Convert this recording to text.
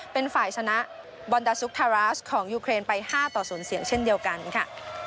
เป็นฝ่ายชนะบอนดาซุกทาราสของยูเครนไป๕ต่อ๐เสียงเช่นเดียวกันค่ะ